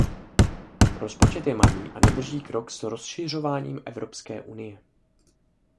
Rozpočet je malý a nedrží krok s rozšiřováním Evropské unie.